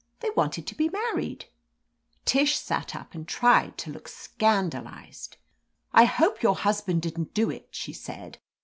They wanted to be mar ried/' Tish sat up and tried to look scandalized. "I hope your husband didn't do it," she said.